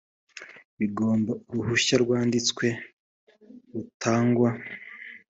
bigomba uruhushya rwanditswe rutangwa